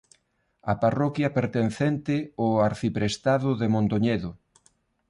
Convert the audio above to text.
A parroquia pertencente o arciprestado de Mondoñedo.